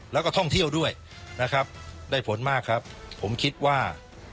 แล้วก็ท่องเที่ยวด้วยนะครับได้ผลมากครับผมคิดว่า